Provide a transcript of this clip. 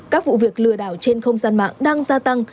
các vụ việc lừa đảo trên không gian mạng đang gia tăng